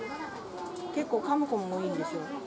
結構かむ子も多いんですよ。